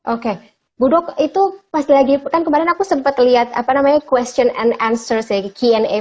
oke bu dok itu pasti lagi kan kemarin aku sempet liat apa namanya question and answer sih key and answer ya